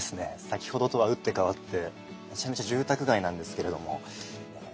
先ほどとは打って変わってめちゃめちゃ住宅街なんですけれども。